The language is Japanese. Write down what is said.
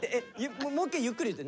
もう一回ゆっくり言って。